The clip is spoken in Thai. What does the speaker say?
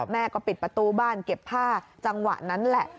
แม่ก็ปิดประตูบ้านเก็บผ้าจังหวะนั้นแหละ